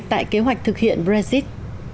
tại kế hoạch thực hiện brexit